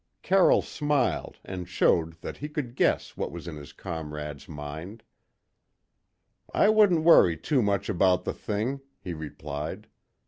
Carroll smiled and showed that he could guess what was in his comrade's mind. "I wouldn't worry too much about the thing," he replied.